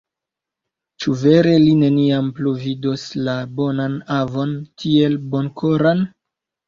Ĉu vere li neniam plu vidos la bonan avon, tiel bonkoran?